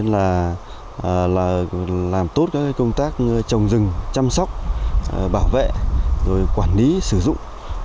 là làm tốt các công tác trồng rừng chăm sóc bảo vệ rồi quản lý sử dụng